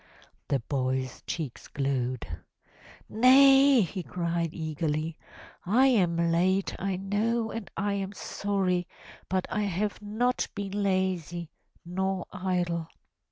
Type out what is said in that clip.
The boy's cheeks glowed. "Nay!'' he cried eagerly. "I am late I know and I am sorry but I have not been lazy nor idle.